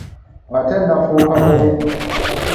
Nga tennafuuka Owino.